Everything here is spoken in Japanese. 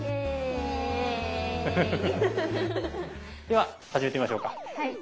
では始めてみましょうか。